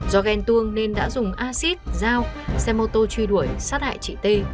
do ghen tuông nên đã dùng acid dao xe mô tô truy đuổi sát hại chị t